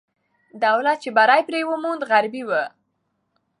دولت چې بری پرې وموند، غربي وو.